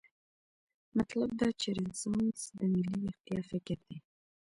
مطلب دا چې رنسانس د ملي ویښتیا فکر دی.